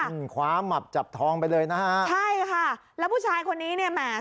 คว้าหมับจับทองไปเลยนะฮะใช่ค่ะแล้วผู้ชายคนนี้เนี่ยแหม